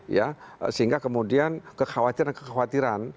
ya sehingga kemudian kekhawatiran kekhawatiran